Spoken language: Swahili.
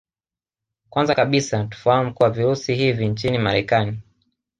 Kwanza kabisa tufahamu kuwa Virusi hivi nchini Marekani